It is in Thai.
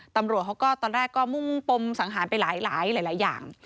ตำรวจเขาก็ตอนแรกก็มุ่งปมสังหารไปหลายอย่าง